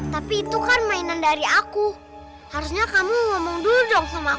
tapi itu kan mainan dari aku harusnya kamu ngomong dulu dong sama aku